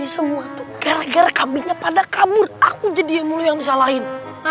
semua kera kera kacer pada kabur aku jadi yang dulu yang salahin